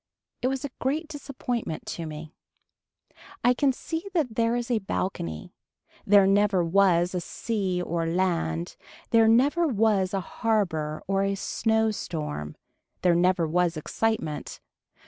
It was a great disappointment to me. I can see that there is a balcony. There never was a sea or land, there never was a harbor or a snow storm, there never was excitement.